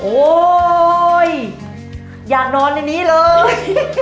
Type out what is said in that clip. โอ๊ยอย่านอนในนี้เลย